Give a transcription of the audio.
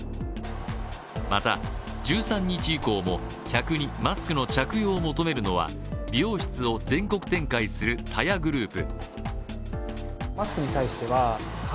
また１３日以降も、客にマスクの着用を求めるのは美容室を全国展開するＴＡＹＡグループ。